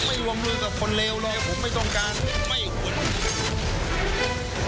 ไม่รวมมือกับคนเลวเลยผมไม่ต้องการไม่ควร